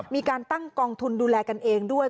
มีการตั้งกองทุนดูแลกันเองด้วย